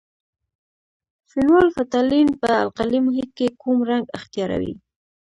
فینول فتالین په القلي محیط کې کوم رنګ اختیاروي؟